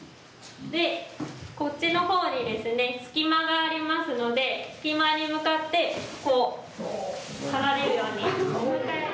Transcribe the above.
こっちのほうに隙間がありますので隙間に向かってこう離れるように。